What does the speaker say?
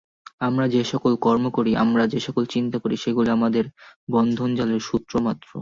আমরা যে-সকল কর্ম করি, আমরা যে-সকল চিন্তা করি, সেগুলি আমাদের বন্ধনজালের সূত্রমাত্র।